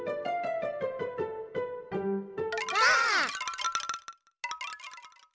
ばあっ！